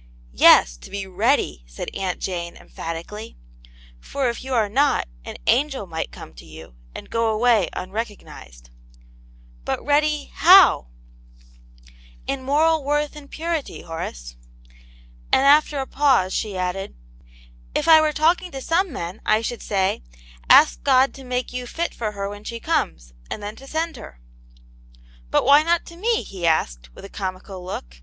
♦' Yes, to be readyl' said Mul ^^.tv^> rav^'^iSlv^'^^ 34 ' Aunt Jane's Hero. " For if you are not, aii angel might conie to you and go away unrecognized/* " But ready, how ?" "In moral worth and purity, Horace." And after a pause, she added :" If I were talking to some men, I should say : Ask God to make you fit for her when she comes, and then to send her." " But why not to me ?"he asked, with a comical look.